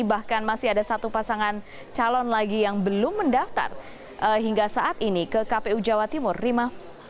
bahkan masih ada satu pasangan calon lagi yang belum mendaftar hingga saat ini ke kpu jawa timur rima